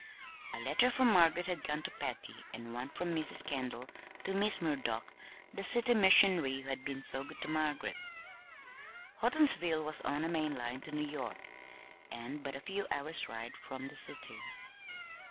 A letter from Margaret had gone to Patty, and one from Mrs. Kendall to Miss Murdock, the city missionary who had been so good to Margaret. Houghtonsville was on a main line to New York, and but a few hours' ride from the city.